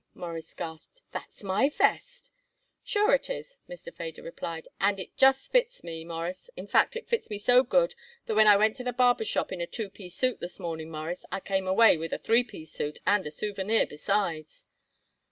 Morris gasped. "That's my vest." "Sure it is," Mr. Feder replied, "and it just fits me, Mawruss. In fact, it fits me so good that when I went to the barber shop in a two piece suit this morning, Mawruss, I come away with a three piece suit and a souvenir besides."